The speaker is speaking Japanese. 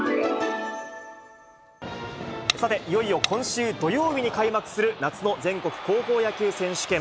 さて、いよいよ今週土曜日に開幕する、夏の全国高校野球選手権。